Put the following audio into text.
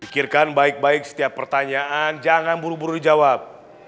pikirkan baik baik setiap pertanyaan jangan buru buru dijawab